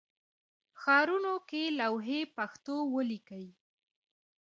ښارونو کې لوحې پښتو ولیکئ